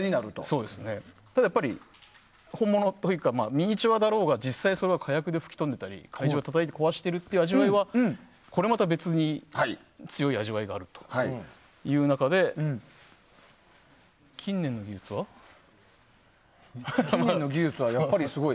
ただ、やっぱりミニチュアだろうが実際それは火薬で吹き飛んでいたり怪獣がたたいて壊しているという味わいはこれまた別に強い味わいがあるという中で近年の技術はやっぱりすごい。